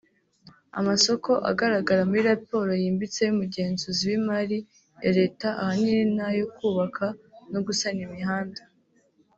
Amasoko agaragara muri raporo yimbitse y’umugenzuzi w’imari ya Leta ahanini ni ayo kubaka no gusana imihanda